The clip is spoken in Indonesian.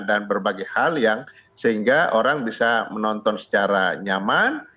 dan berbagai hal yang sehingga orang bisa menonton secara nyaman